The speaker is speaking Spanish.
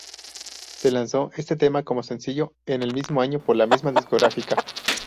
Se lanzó este tema como sencillo en el mismo año por la misma discográfica.